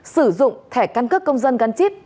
sử dụng thẻ căn cước công dân gắn chip